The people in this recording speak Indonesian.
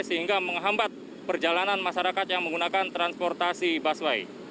sehingga menghambat perjalanan masyarakat yang menggunakan transportasi busway